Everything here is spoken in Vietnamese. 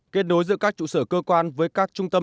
kết nối giữa các trụ sở cơ quan với các trung tâm